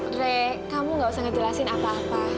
dray kamu gak usah ngejelasin apa apa